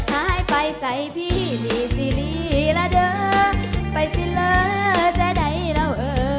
หายไปใส่พี่มีซีรีส์ละเด้อไปสิเลอจะได้แล้วเออ